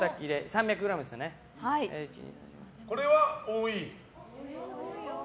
これは多い？